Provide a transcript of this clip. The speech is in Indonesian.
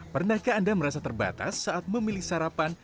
pernahkah anda merasa terbatas saat memilih sarapan